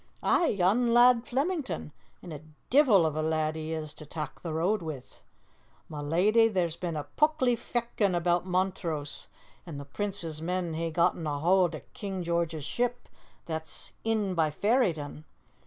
"Aye, yon lad Flemington an' a deevil o' a lad he is to tak' the road wi'! Ma leddy, there's been a pucklie fechtin' aboot Montrose, an' the Prince's men hae gotten a haud o' King George's ship that's in by Ferryden.